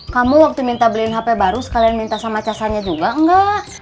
kamu waktu minta beliin hp baru sekalian minta sama casanya juga enggak